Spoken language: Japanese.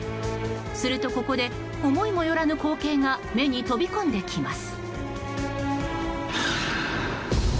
すると、ここで思いもよらぬ光景が目に飛び込んできます。